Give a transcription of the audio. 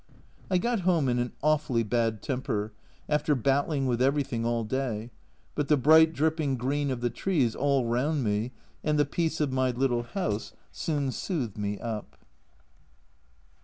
I got home in an awfully bad temper, after battling with everything all day but the bright dripping green of the trees all round me, and the peace of my little house, soon soothed me up.